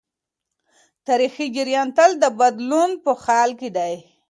تاریخي جریانات تل د بدلون په حال کي دي.